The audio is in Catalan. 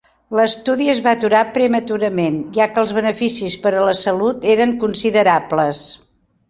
L'estudi es va aturar prematurament, ja que els beneficis per a la salut eren considerables.